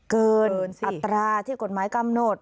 เกินอัตราที่กฎหมายกำหนด